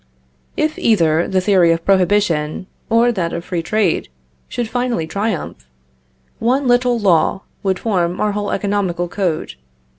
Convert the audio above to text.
If either the theory of prohibition, or that of free trade, should finally triumph, one little law would form our whole economical code.